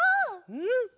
うん！